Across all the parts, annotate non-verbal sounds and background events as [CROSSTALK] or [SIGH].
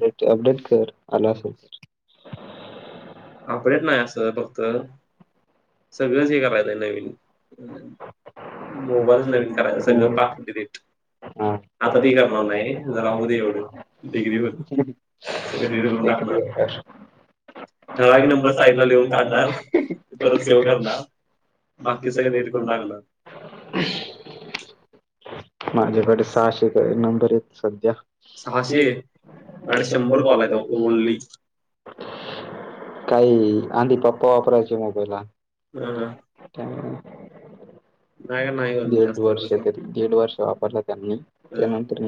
Day update कर आल असल. आपडेेत नाही असं फक्त सगळंच हे करायचंय नवीन [UNINTELLIGIBLE] [UNINTELLIGIBLE] [UNINTELLIGIBLE] ठरा नबर ताईला घेऊन पाांणार परत घेऊन ठरणार. [UNINTELLIGIBLE] माझ्याकडे सहाशेक नंबरयेत सदया असे शंभर पालाोलली काही आंधी पप्पा वापरायचे मोबाईलला दीड वर्ष दीड वर्ष वापरला त्यांनी त्यानंतर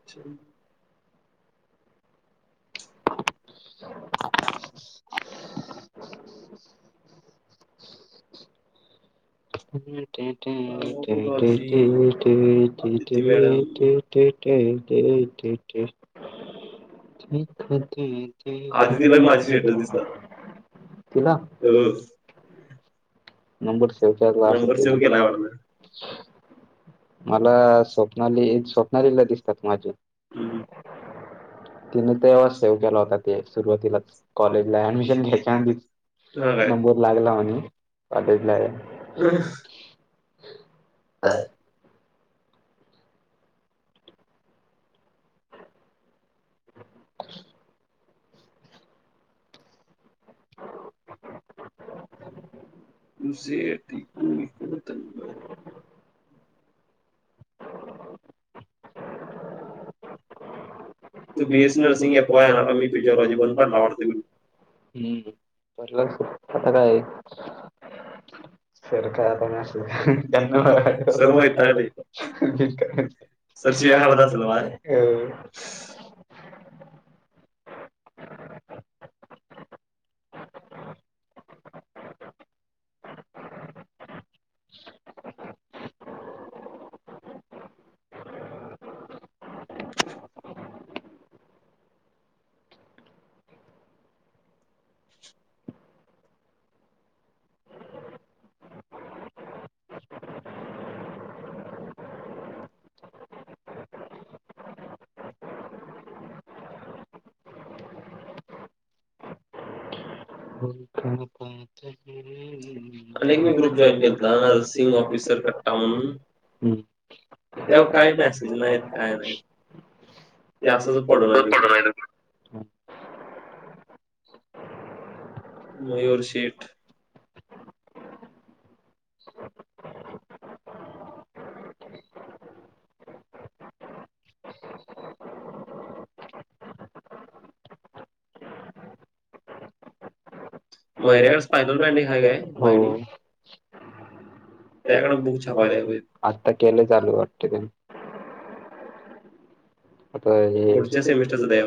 अच्छा. [UNINTELLIGIBLE] [UNINTELLIGIBLE] [UNINTELLIGIBLE] [UNINTELLIGIBLE] तिला नंबर सेव. मला स्वप्नाली स्वप्नालीला दिसतात माझी तिने तेव्हा सेव केला होता ते सुरुवातीला कॉलेजला ऍडमिशन घ्यायच्या अंदीच नंबर लागला. [UNINTELLIGIBLE] [UNINTELLIGIBLE] [UNINTELLIGIBLE] बीएसी. [UNINTELLIGIBLE] सर का [UNINTELLIGIBLE] [UNINTELLIGIBLE] [UNINTELLIGIBLE] अनेक मी ग्रुप जॉईन केलता नर्सिंग ऑफिसर कट्टा म्हणून तेव्हा काय मेसेज नाइत काय नाइत ते असंच पडून आहे [UNINTELLIGIBLE] मयूर शेठ मायर्या स्पाटरल बँडिंग हाय काय बाडींग त्याकडं बुक छापाय द्याय पाहिजेत [UNINTELLIGIBLE] आता हे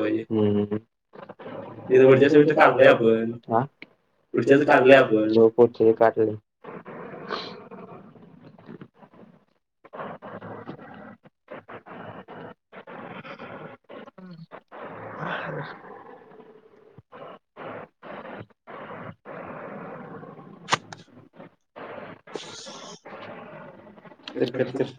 [UNINTELLIGIBLE] [UNINTELLIGIBLE] [UNINTELLIGIBLE] क्रिकेटच